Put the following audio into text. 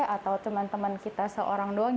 atau teman teman kita seorang doang